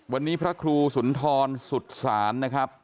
วันนี้พระครูสุนทรสุสานนะครับ